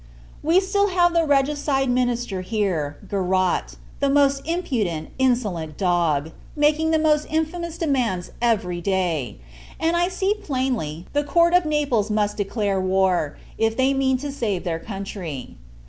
We have still the regicide minister here, Garrat: the most impudent, insolent dog; making the most infamous demands every day; and I see plainly, the court of Naples must declare war, if they mean to save their country.